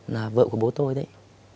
là vợ của bố tôi đấy